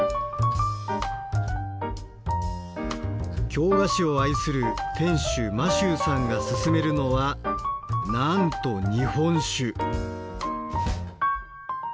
京菓子を愛する店主真秀さんがすすめるのはなんと日本酒。